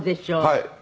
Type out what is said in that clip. はい。